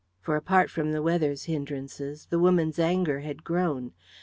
For, apart from the weather's hindrances, the woman's anger had grown.